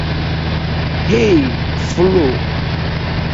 Hej Flo!